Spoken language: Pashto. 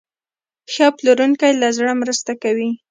ښه پلورونکی له زړه مرسته کوي.